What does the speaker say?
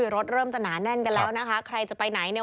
รถเริ่มจะหนาแน่นกันแล้วนะคะใครจะไปไหนเนี่ย